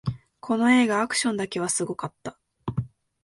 この映画、アクションだけはすごかった